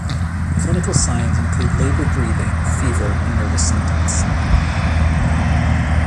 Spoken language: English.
Clinical signs include laboured breathing, fever and nervous symptoms.